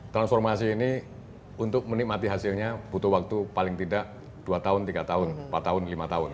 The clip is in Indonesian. transformasi ini untuk menikmati hasilnya butuh waktu paling tidak dua tahun tiga tahun empat tahun lima tahun